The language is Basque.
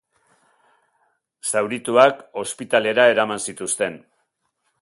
Zaurituak ospitalera eraman zituzten.